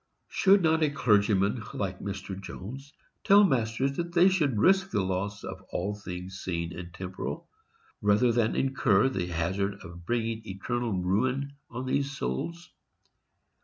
Should not a clergyman, like Mr. Jones, tell masters that they should risk the loss of all things seen and temporal, rather than incur the hazard of bringing eternal ruin on these souls?